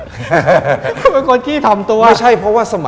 มันคนกี้ทำตัว